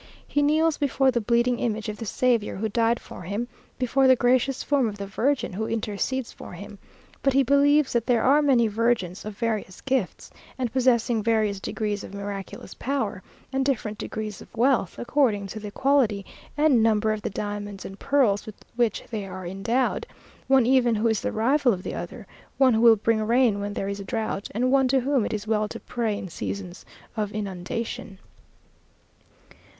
He kneels before the bleeding image of the Saviour who died for him, before the gracious form of the Virgin who intercedes for him; but he believes that there are many Virgins, of various gifts, and possessing various degrees of miraculous power and different degrees of wealth, according to the quality and number of the diamonds and pearls with which they are endowed one even who is the rival of the other one who will bring rain when there is drought, and one to whom it is well to pray in seasons of inundation.